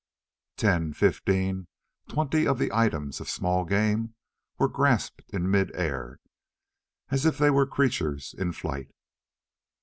Ten, fifteen, twenty of the items of small game were grasped in mid air, as if they were creatures in flight.